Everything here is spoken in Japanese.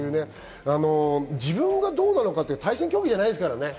自分がどうなのかという対戦競技ではないですからね。